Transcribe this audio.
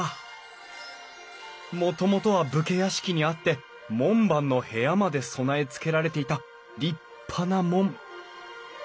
もともとは武家屋敷にあって門番の部屋まで備えつけられていた立派な門。